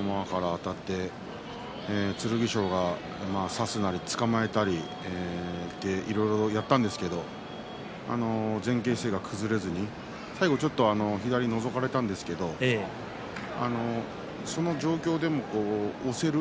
何度もあたって剣翔がさすがにつかまえたりいろいろやったんですが前傾姿勢が崩れずに最後ちょっと左をのぞかれたんですけれどもその状況でも押せる。